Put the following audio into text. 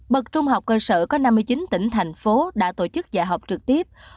bậc trung học cơ sở có năm mươi chín tỉnh thành phố đã tổ chức dạy học trực tiếp